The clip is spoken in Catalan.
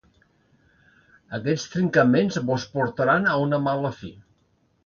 Aquests trincaments vos portaran a una mala fi.